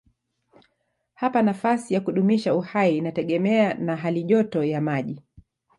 Hapa nafasi ya kudumisha uhai inategemea na halijoto ya maji.